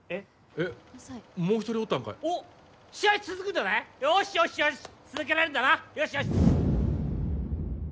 えっもう一人おったんかいおっ試合続くんだねよしよしよし続けられるんだなよしよし